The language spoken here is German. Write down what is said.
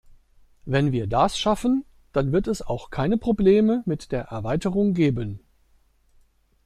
Wenn wir das schaffen, dann wird es auch keine Probleme mit der Erweiterung geben.